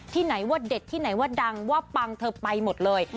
ไหนว่าเด็ดที่ไหนว่าดังว่าปังเธอไปหมดเลย